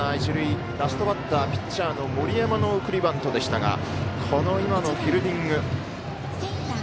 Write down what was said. ラストバッター、ピッチャーの森山の送りバントでしたがこの今のフィールディング。